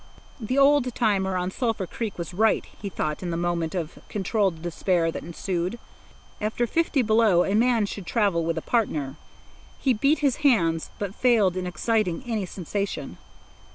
The old timer on Sulphur Creek was right, he thought in the moment of controlled despair that ensued: after fifty below, a man should travel with a partner. He beat his hands, but failed in exciting any sensation.